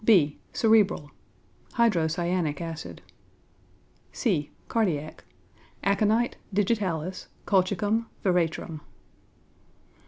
(b) Cerebral hydrocyanic acid. (c) Cardiac aconite, digitalis, colchicum, veratrum.